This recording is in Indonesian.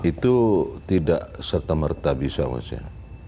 itu tidak serta merta bisa mas ya